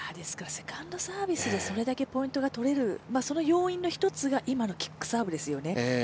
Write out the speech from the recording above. セカンドサービスでそれだけポイントが取れるその要因の一つが今のキックサーブですよね。